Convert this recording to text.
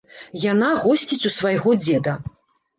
Яна госціць у свайго дзеда.